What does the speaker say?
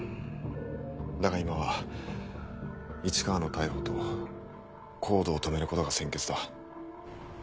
だが今は市川の逮捕とＣＯＤＥを止めることが先決だ。